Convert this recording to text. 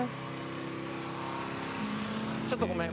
ちょっと、ごめん。